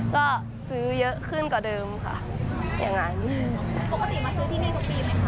ก็ซื้อเยอะขึ้นกว่าเดิมค่ะอย่างนั้นปกติมาซื้อที่นี่ทุกปีไหมคะ